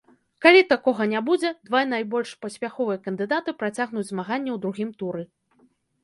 Калі такога не будзе, два найбольш паспяховыя кандыдаты працягнуць змаганне ў другім туры.